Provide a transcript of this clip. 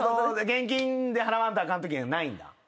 現金で払わんとあかんときがないんだ？